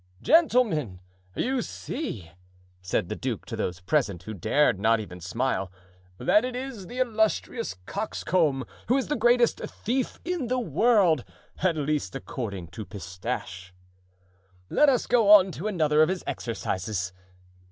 "Gentlemen, you see," said the duke to those present, who dared not even smile, "that it is the 'Illustrious Coxcomb' who is the greatest thief in the world; at least, according to Pistache." "Let us go on to another of his exercises."